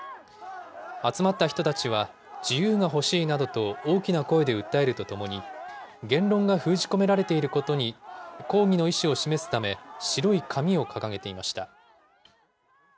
集まった人たちは、自由が欲しいなどと大きな声で訴えるとともに、言論が封じ込められていることに抗議の意思を示すため、白い紙を掲げていました。